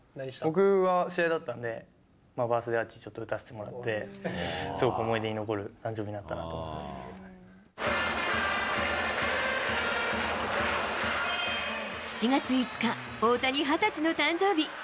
僕は試合だったんで、バースデーアーチ、ちょっと打たせてもらって、すごく思い出に残る誕生日になっ７月５日、大谷２０歳の誕生日。